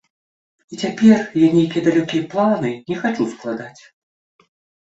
І цяпер я нейкія далёкі планы не хачу складаць.